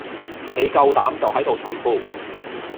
你夠膽就喺度除褲